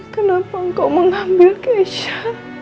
kenapa kau mengambil keisha